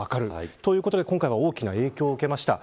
ということで、今回は大きな影響を受けました。